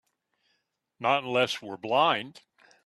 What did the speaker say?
Not unless we're blind.